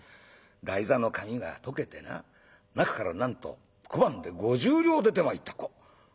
台座の紙が溶けてな中からなんと小判で５０両出てまいった」。